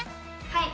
はい！